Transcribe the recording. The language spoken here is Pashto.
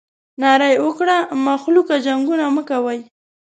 ناره یې وکړه مخلوقه جنګونه مه کوئ.